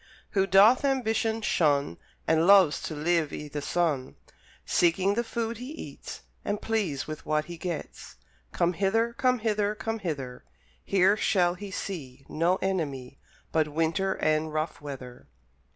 Who doth ambition shun And loves to live i' the sun; Seeking the food he eats, And pleased with what he gets, Come hither, come hither, come hither; Here shall he see No enemy But winter and rough weather.